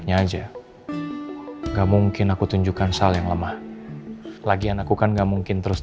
kalau gini padahal gue pal shield di tempat eras